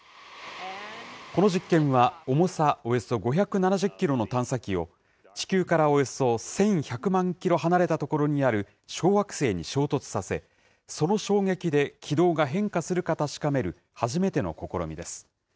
この実験は、重さおよそ５７０キロの探査機を、地球からおよそ１１００万キロ離れた所にある小惑星に衝突させ、その衝撃で軌道が変化するか確かめる初めての試みです。